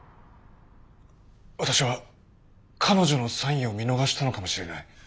私は彼女のサインを見逃したのかもしれない。